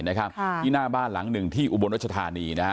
ที่หน้าบ้านหลังหนึ่งที่อุบลรัชธานีนะฮะ